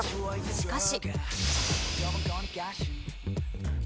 しかし。